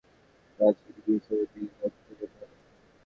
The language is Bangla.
প্রাচীন গ্রিসে যেতে গেলে অতীতে যেতে হবে।